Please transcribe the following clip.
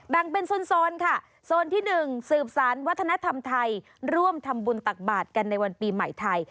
แบ่งเป็นโซนค่ะโซนที่๑สืบสารวัฒนธรรมไทยร่วมทำบุญตักบาทกันในวันปีใหม่ไทย